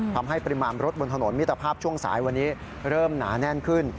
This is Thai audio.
ทำให้ปริมาณรถบนถนนมิตรภาพช่วงสายวันนี้เริ่มหนาแน่นขึ้น